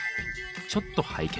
ちょっと拝見。